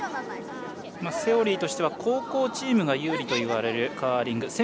セオリーとしては後攻チームが有利といわれるカーリング。